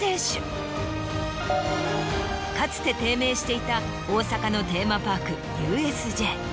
かつて低迷していた大阪のテーマパークＵＳＪ。